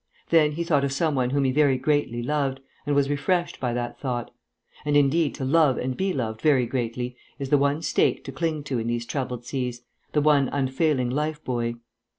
Then he thought of some one whom he very greatly loved, and was refreshed by that thought; and, indeed, to love and be loved very greatly is the one stake to cling to in these troubled seas, the one unfailing life buoy.